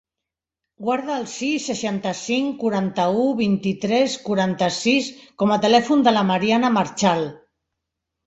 Guarda el sis, seixanta-cinc, quaranta-u, vint-i-tres, quaranta-sis com a telèfon de la Mariana Marchal.